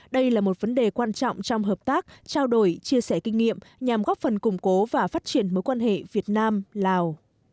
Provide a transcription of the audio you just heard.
đây là một vấn đề quan trọng trong hợp tác trao đổi chia sẻ kinh nghiệm nhằm góp phần củng cố và phát triển mối quan hệ việt nam lào